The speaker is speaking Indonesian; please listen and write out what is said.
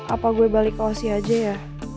apa gue balik ke osi aja ya